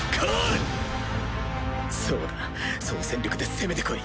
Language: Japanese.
そうだ総戦力で攻めてこい。